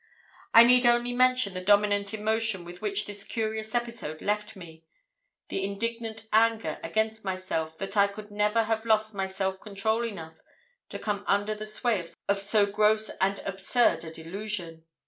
I need only mention the dominant emotion with which this curious episode left me—the indignant anger against myself that I could ever have lost my self control enough to come under the sway of so gross and absurd a delusion.